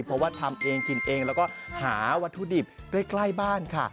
เพราะว่าทำเองกินเองแล้วก็หาวัตถุดิบใกล้บ้านค่ะ